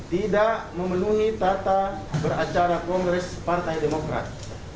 tidak memenuhi tata beracara kongres partai demokrat